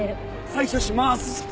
採取します！